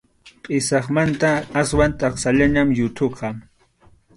Pʼisaqmanta aswan taksallam yuthuqa.